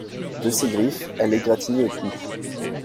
De ses griffes elle l'égratignait au cou.